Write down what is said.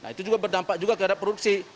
itu juga berdampak kehadap produksi